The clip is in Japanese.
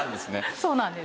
そうなんです。